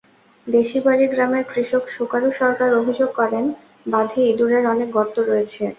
দেশিবাড়ি গ্রামের কৃষক শুকারু সরকার অভিযোগ করেন, বাঁধে ইঁদুরের অনেক গর্ত রয়েছে।